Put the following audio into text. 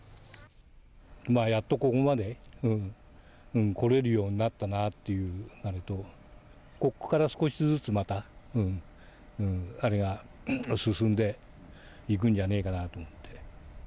まあ、やっとここまで来れるようになったなっていうあれと、ここから少しずつまた、あれが進んでいくんじゃねえかなと思って。